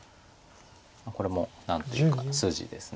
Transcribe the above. これも何というか筋です。